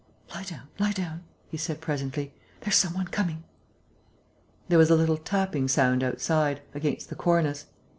"Lie down ... lie down," he said, presently. "There's some one coming." There was a little tapping sound outside, against the cornice.